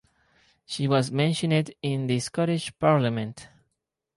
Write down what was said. She was mentioned in the Scottish parliament.